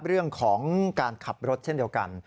เรื่องของการขับรถเช่นเดียวกัน